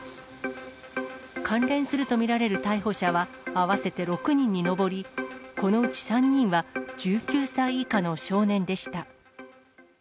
関連すると見られる逮捕者は合わせて６人に上り、このうち３人は、１９歳以下の少年でした。